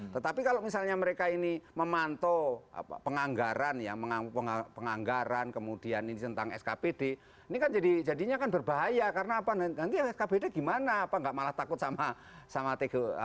tetapi kalau misalnya mereka ini memantau penganggaran ya penganggaran kemudian ini tentang skpd ini kan jadinya kan berbahaya karena apa nanti skbd gimana apa nggak malah takut sama tgp